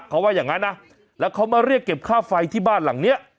เขาว่าอย่างนั้นนะแล้วเขามาเรียกเก็บค่าไฟที่บ้านหลังเนี้ย